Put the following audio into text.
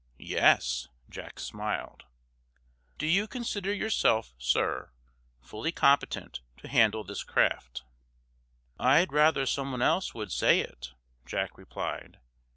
"Yes," Jack smiled. "Do you consider yourself, sir, fully competent to handle this craft?" "I'd rather someone else would say it," Jack replied.